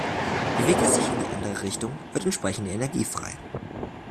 Bewegt es sich in die andere Richtung, wird entsprechende Energie frei.